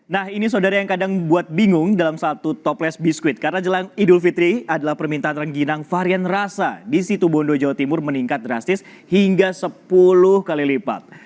nah ini saudara yang kadang buat bingung dalam satu topless biskuit karena jelang idul fitri adalah permintaan rengginang varian rasa di situ bondo jawa timur meningkat drastis hingga sepuluh kali lipat